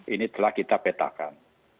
ini telah kita petakan